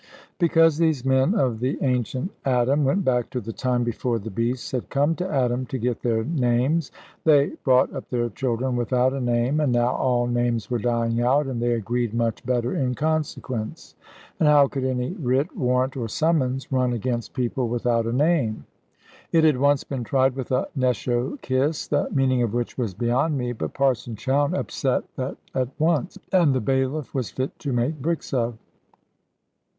Because these men of the ancient Adam went back to the time before the beasts had come to Adam to get their names. They brought up their children without a name, and now all names were dying out, and they agreed much better in consequence. And how could any writ, warrant, or summons, run against people without a name? It had once been tried with a "Nesho Kiss," the meaning of which was beyond me; but Parson Chowne upset that at once; and the bailiff was fit to make bricks of.